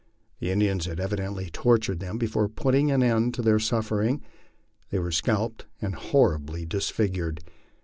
The In dians had evidently tortured them before putting an end to their sufferings. They were scalped and horribly disfigured.